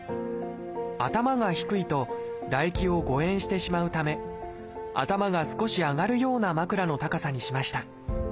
頭が低いと唾液を誤えんしてしまうため頭が少し上がるような枕の高さにしました。